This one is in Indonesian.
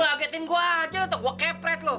lu agetin gua aja atau gua kepret lu